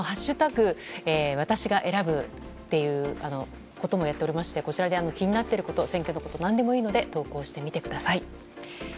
私が選ぶ」ということもやっておりましてこちらで気になっていること選挙のこと何でもいいので投稿してみてください。